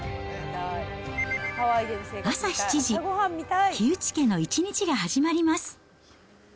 朝７時、木内家の一日が始まります。